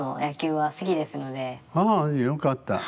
ああよかった。